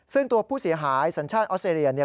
ซึ่งตัวผู้เสียหายสัญชาติออสเตรเลียเนี่ย